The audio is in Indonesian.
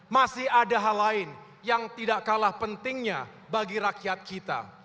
masih ada hal lain yang tidak kalah pentingnya bagi rakyat kita